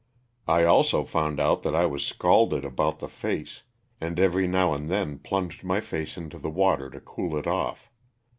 I also found out that I was scalded about the face, and every now and then plunged my face into the water to cool it off.